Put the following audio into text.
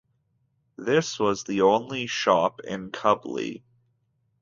This was the only shop in Cubley.